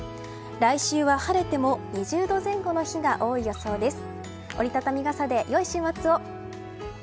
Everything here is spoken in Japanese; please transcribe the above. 来週は晴れても２０度前後の日が多い予想です。